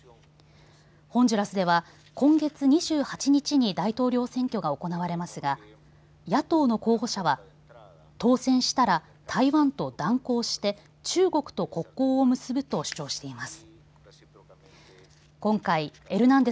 ホンジュラスでは今月２８日に大統領選挙が行われますが野党の候補者は当選したら台湾と断交して中国と国交を結ぶと主張しています。